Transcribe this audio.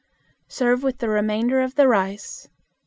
Serve with the remainder of the rice.